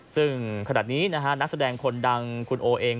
ซึ่งขณะนี้นะฮะนักแสดงคนดังคุณโอเอง